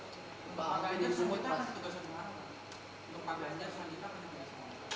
pak ganjar semua semua untuk pak ganjar sanjika atau